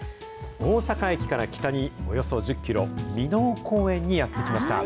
大阪駅から北におよそ１０キロ、箕面公園にやって来ました。